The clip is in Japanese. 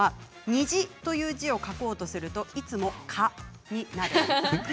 虹という字を書こうとするといつも蚊になる。